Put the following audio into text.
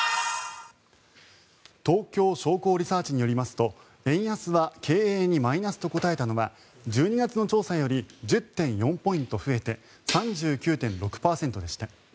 東京商工リサーチによりますと円安は経営にマイナスと答えたのは１２月の調査より１０．４ポイント増えて３９．６％でした。